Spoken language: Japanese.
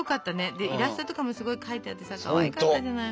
でイラストとかもすごい描いてあってさかわいかったじゃない。